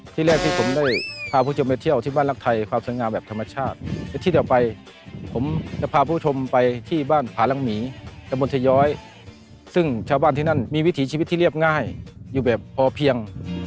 ที่แรกที่ผมได้พาผู้ชมไปเที่ยวที่บ้านรักไทยความสวยงามแบบธรรมชาติและที่ต่อไปผมจะพาผู้ชมไปที่บ้านผารังหมีตะบนทย้อยซึ่งชาวบ้านที่นั่นมีวิถีชีวิตที่เรียบง่ายอยู่แบบพอเพียง